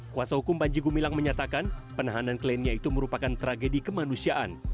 kuasa hukum panjegu bilang menyatakan penahanan klennya itu merupakan tragedi kemanusiaan